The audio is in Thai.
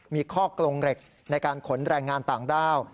มีข้อกลงเหล็กในการขนแรงงานต่างด้าว